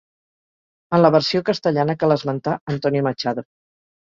En la versió castellana cal esmentar Antonio Machado.